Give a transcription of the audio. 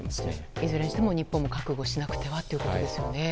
いずれにしても日本も覚悟しなくてはということですよね。